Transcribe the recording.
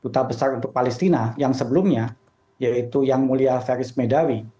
duta besar untuk palestina yang sebelumnya yaitu yang mulia ferismedawi